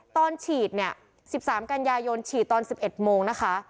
ตอนฉีดเนี่ยสิบสามกันยายนฉีดตอนสิบเอ็ดโมงนะคะ